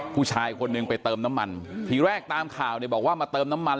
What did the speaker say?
ผู้ชายคนหนึ่งไปเติมน้ำมันทีแรกตามข่าวเนี่ยบอกว่ามาเติมน้ำมัน